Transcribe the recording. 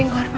ini ada apa